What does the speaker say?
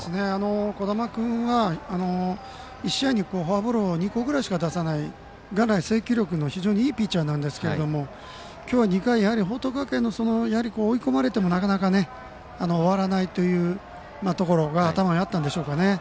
小玉君は１試合にフォアボールを２個ぐらいしか出さない元来、制球力がいいピッチャーなんですが今日は報徳学園の追い込まれてもなかなか終わらないというところが頭にあったんでしょうかね。